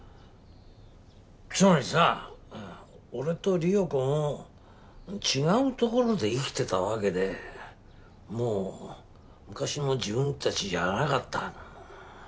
つまりさ俺と理代子も違うところで生きてたわけでもう昔の自分たちじゃなかった。